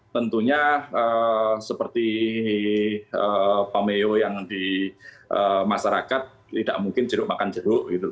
tentunya seperti pameo yang di masyarakat tidak mungkin jeruk makan jeruk gitu